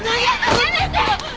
やめて！